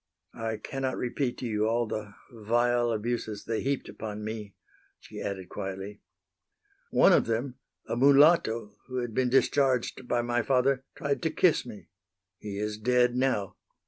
"I cannot repeat to you all the vile abuses they heaped upon me," she added, quietly. "One of them, a mulatto who had been discharged by my father, tried to kiss me. He is dead now."